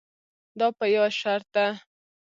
دا په یوه شرط ده.